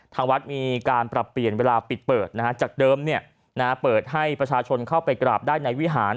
ทางวัดมีการปรับเปลี่ยนเวลาปิดเปิดจากเดิมเปิดให้ประชาชนเข้าไปกราบได้ในวิหาร